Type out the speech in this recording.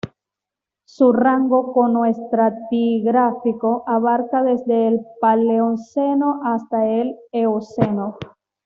Su rango cronoestratigráfico abarca desde el Paleoceno hasta la Eoceno.